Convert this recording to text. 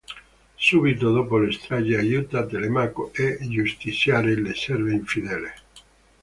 Subito dopo la strage, aiuta Telemaco a giustiziare le serve infedeli.